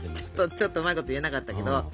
ちょっとうまいこと言えなかったけど